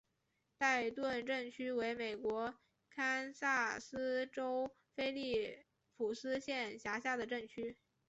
代顿镇区为美国堪萨斯州菲利普斯县辖下的镇区。